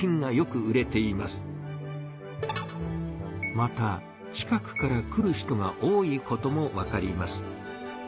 また近くから来る人が多いこともわかります。